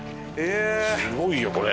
すごいよこれ。